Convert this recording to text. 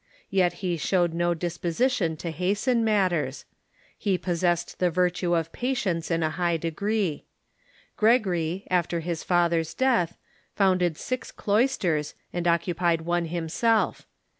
Yet he showed no disposition to hasten matters. He possessed the virtue of patience in a high degree. Gregory, after his father's death, founded six cloisters, and occupied one himself.